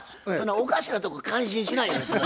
おかしなとこ感心しないで下さい。